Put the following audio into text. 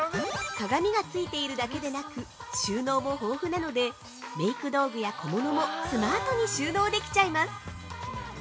◆鏡がついているだけでなく収納も豊富なのでメイク道具や小物もスマートに収納できちゃいます！